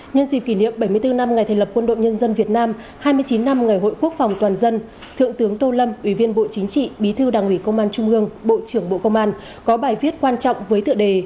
nhân dịp kỷ niệm bảy mươi bốn năm ngày thành lập quân đội nhân dân việt nam hai mươi chín năm ngày hội quốc phòng toàn dân thượng tướng tô lâm ủy viên bộ chính trị bí thư đảng ủy công an trung ương bộ trưởng bộ công an có bài viết quan trọng với tựa đề